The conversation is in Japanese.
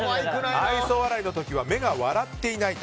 愛想笑いの時は目が笑っていないと。